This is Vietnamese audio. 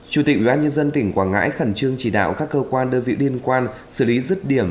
chủ tịch ubnd tỉnh quảng ngãi khẩn trương chỉ đạo các cơ quan đơn vị liên quan xử lý rứt điểm